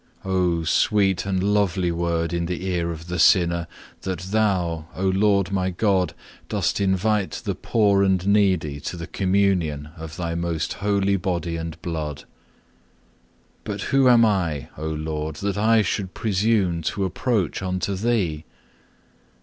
Oh, sweet and lovely word in the ear of the sinner, that Thou, O Lord my God, dost invite the poor and needy to the Communion of Thy most holy body and blood. But who am I, O Lord, that I should presume to approach unto Thee?